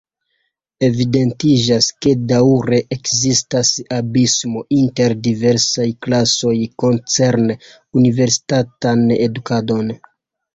Evidentiĝas, ke daŭre ekzistas abismo inter diversaj klasoj koncerne universitatan edukadon.